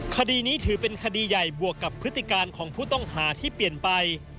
คดีนี้ถือเป็นคดีใหญ่บวกกับพฤติการของผู้ต้องหาที่เปลี่ยนไป